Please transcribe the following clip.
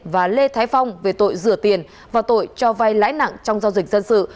và lê thái phong về tội rửa tiền và tội cho vay lãi nặng trong giao dịch dân sự